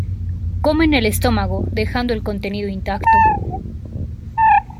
Comen el estómago, dejando el contenido intacto.